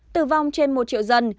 tử vong trên một triệu dân